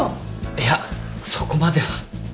いやそこまでは。